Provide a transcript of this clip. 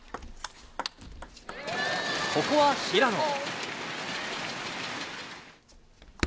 ここは平野。